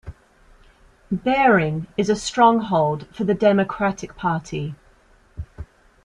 Baring is a stronghold for the Democratic Party.